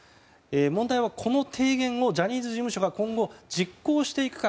問題はこの提言をジャニーズ事務所が今後、実行していくか。